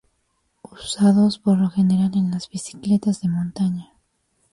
Usados por lo general en las bicicletas de montaña.